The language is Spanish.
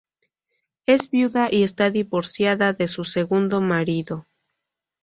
Es viuda y está divorciada de su segundo marido.